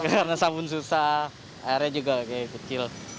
karena sabun susah airnya juga kecil